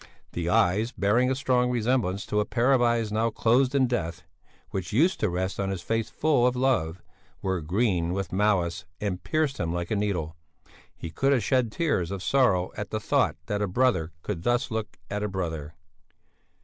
The eyes, bearing a strong resemblance to a pair of eyes now closed in death, which used to rest on his face full of love, were green with malice and pierced him like a needle; he could have shed tears of sorrow at the thought that a brother could thus look at a brother.